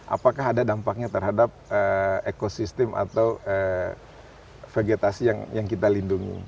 apakah ada dampaknya terhadap ekosistem atau vegetasi yang kita lindungi